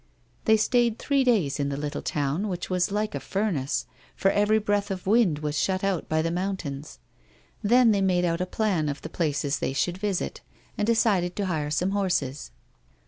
They stayed three days in the little town which was like a furnace, for every breath of wind was shut out by the mountains. Then they made out a plan of the places they should visit, and decided to hire some horses.